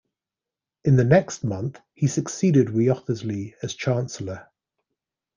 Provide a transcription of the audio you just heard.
In the next month he succeeded Wriothesley as chancellor.